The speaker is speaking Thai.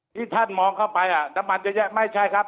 ที่ท่านมองเข้าไปน้ำมันเยอะแยะไม่ใช่ครับ